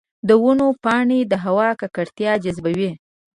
د ونو پاڼې د هوا ککړتیا جذبوي.